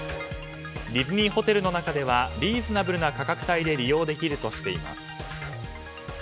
ディズニーホテルの中ではリーズナブルな価格帯で利用できるとしています。